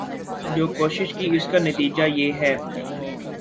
جو کوشش کی اس کا نتیجہ یہ ہے ۔